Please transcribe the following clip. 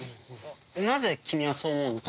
なぜ君はそう思うのかな？